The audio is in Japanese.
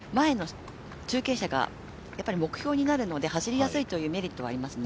後ろを走っている人の方が前の中継車が目標になるので走りやすいというメリットはありますね。